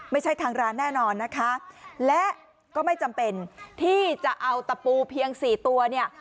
ไม่ใช่ทางร้านแน่นอนนะคะและก็ไม่จำเป็นที่จะเอาตะปูเพียงสี่ตัวเนี่ย